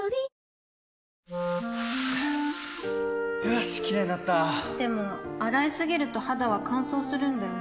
よしキレイになったでも、洗いすぎると肌は乾燥するんだよね